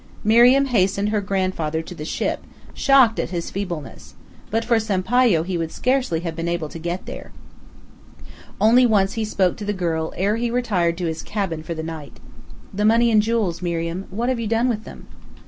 Miriam hastened her grandfather to the ship, shocked at his feebleness; but for Sampayo he would scarcely have been able to get there. Only once he spoke to the girl ere he retired to his cabin for the night. "The money and jewels, Miriam what have you done with them?"